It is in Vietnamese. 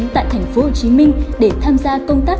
tại tp hcm để tham gia công tác